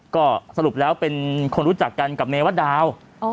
ก็สรุปแล้วเป็นคนรู้จักกันกับเมวดาว